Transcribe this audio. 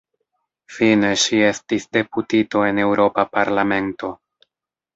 Fine ŝi estis deputito en Eŭropa Parlamento.